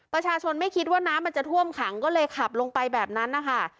ประชาชนไม่คิดว่าน้ำมันจะท่วมขังก็เลยขับลงไปแบบนั้นนะคะ